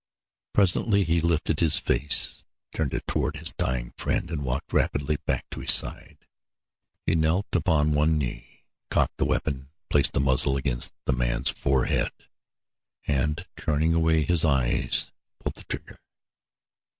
Presently he lifted his face, turned it toward his dying friend and walked rapidly back to his side. He knelt upon one knee, cocked the weapon, placed the muzzle against the man's forehead, and turning away his eyes pulled the trigger.